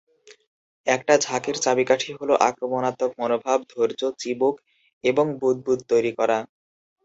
একটা ঝাঁকের চাবিকাঠি হল, আক্রমণাত্মক মনোভাব, ধৈর্য, চিবুক এবং বুদ্বুদ তৈরি করা।